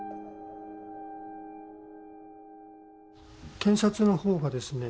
検察のほうがですね